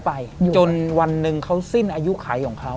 ไปจนวันหนึ่งเขาสิ้นอายุไขของเขา